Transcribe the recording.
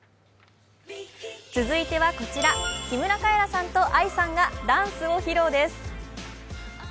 続いてはこちら、木村カエラさんとＡＩさんがダンスを披露です。